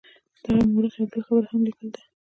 دغه مورخ یوه بله خبره هم لیکلې ده.